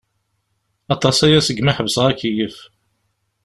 Aṭas aya segmi i ḥebseɣ akeyyef.